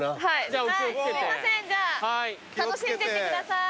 じゃあ楽しんでってください。